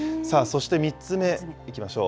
そして、３つ目いきましょう。